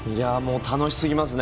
楽しすぎますね。